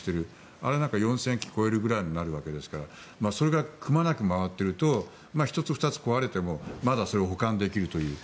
あれなんか４０００基を超えるぐらいになるわけですからそれがくまなく回っていると１つ、２つ壊れてもまだそれを補完できるという。